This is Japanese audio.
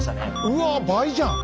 うわ倍じゃん！